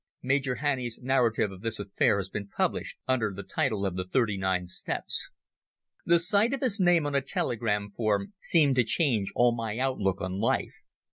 [Major Hannay's narrative of this affair has been published under the title of The Thirty nine Steps.] The sight of his name on a telegram form seemed to change all my outlook on life.